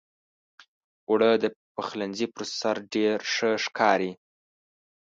اوړه د پخلنځي پر سر ډېر ښه ښکاري